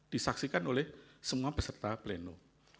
disaksikan oleh semua peserta pleno